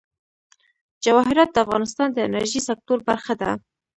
جواهرات د افغانستان د انرژۍ سکتور برخه ده.